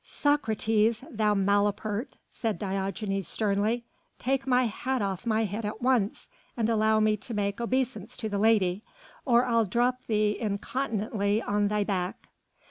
"Socrates, thou malapert," said Diogenes sternly, "take my hat off my head at once, and allow me to make obeisance to the lady, or I'll drop thee incontinently on thy back."